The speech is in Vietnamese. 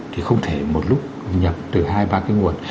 thì không thể một lúc nhập từ hai ba cái nguồn